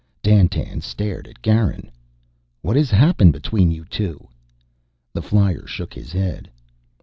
Dandtan stared at Garin. "What has happened between you two?" The flyer shook his head.